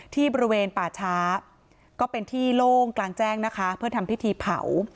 ที่บริเวณป่าช้าก็เป็นที่โล่งกลางแจ้งนะคะเพื่อทำพิธีเผา